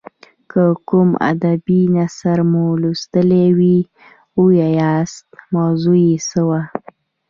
که کوم ادبي نثر مو لوستی وي ووایاست موضوع یې څه وه.